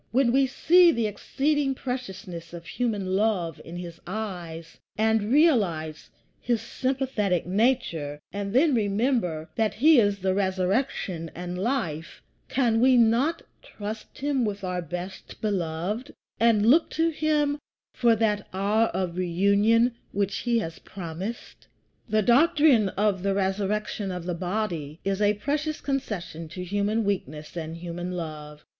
When we see the exceeding preciousness of human love in his eyes, and realize his sympathetic nature, and then remember that he is RESURRECTION AND LIFE, can we not trust him with our best beloved, and look to him for that hour of reunion which he has promised? The doctrine of the resurrection of the body is a precious concession to human weakness and human love.